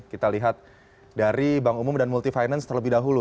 kita lihat dari bank umum dan multifinance terlebih dahulu